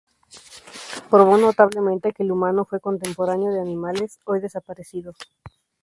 Probó notablemente que el humano fue contemporáneo de animales hoy desaparecidos.